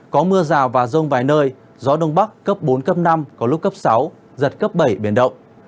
có mưa rào và rông vài nơi gió đông bắc cấp bốn cấp năm có lúc cấp sáu giật cấp bảy biển động